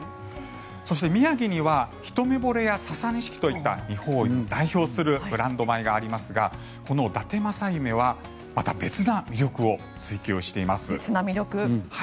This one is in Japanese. そして宮城にはひとめぼれやササニシキといった日本を代表するブランド米がありますがこのだて正夢はまた別な魅力を追求しています。